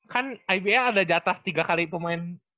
kan ibl ada jatah tiga kali pemain